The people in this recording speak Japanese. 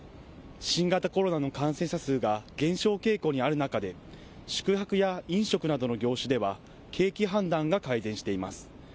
新型コロナの感染者数が減少傾向にある中で宿泊や飲食などの業種では景気判断が改善しています。